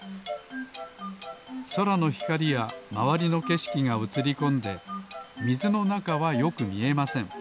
そらのひかりやまわりのけしきがうつりこんでみずのなかはよくみえません。